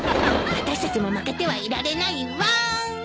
あたしたちも負けてはいられないわ。